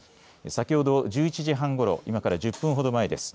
先ほど１１時半ごろ今から１０分ほど前です。